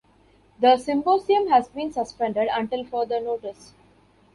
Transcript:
The Symposium has been suspended until further notice.